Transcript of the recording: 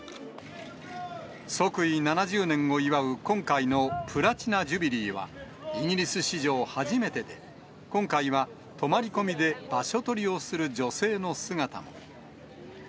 即位７０年を祝う今回のプラチナ・ジュビリーは、イギリス史上初めてで、今回は泊まり込みで場所取りをする女性の姿も。